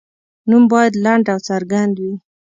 نوم باید لنډ او څرګند وي.